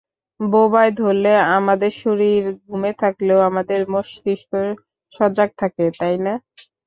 বোবায় ধরলে আমাদের শরীর ঘুমে থাকলেও আমাদের মস্তিষ্ক সজাগ থাকে, তাই না?